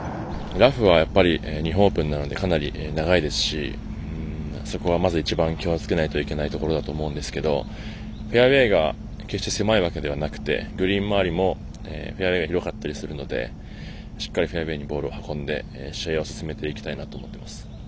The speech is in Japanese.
ラフはやっぱり日本オープンなのでかなり長いですしそこは一番、気をつけないといけないところだと思うんですがフェアウエーが決して狭いわけではなくてグリーン周りもフェアウエーよりよかったりするのでしっかりフェアウエーにボールを運んで試合を進めていきたいなと思っています。